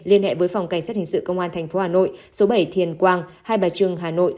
liên hệ với phòng cảnh sát hình sự công an tp hà nội số bảy thiền quang hai bà trưng hà nội